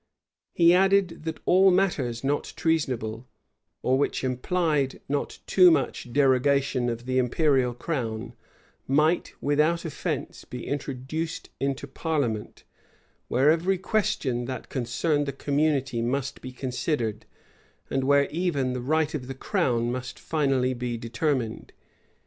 He added, that all matters not treasonable, or which implied not "too much" derogation of the imperial crown, might, without offence, be introduced into parliament; where every question that concerned the community must be considered, and where even the right of the crown itself must finally be determined.